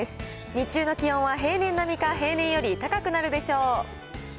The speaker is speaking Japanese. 日中の気温は、平年並みか平年より高くなるでしょう。